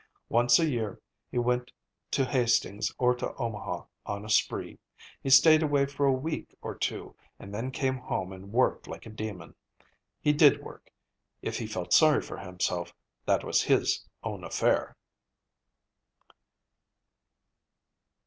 Once a year he went to Hastings or to Omaha, on a spree. He stayed away for a week or two, and then came home and worked like a demon. He did work; if he felt sorry for himself, that was his own affair.